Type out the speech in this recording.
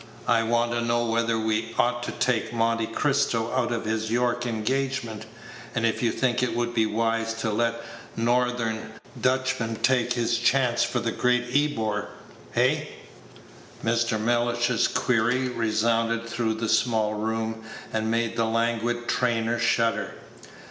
I want to know whether we ought to take Monte Cristo out of his York engagement, and if you think it would be wise to let Northern Dutchman take his chance for the Great Ebor. Hey?" Mr. Mellish's query resounded through the small room, and made the languid trainer shudder.